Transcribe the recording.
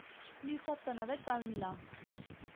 Dissabte na Beth va al Milà.